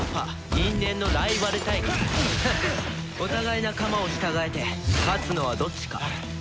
お互い仲間を従えて勝つのはどっちか。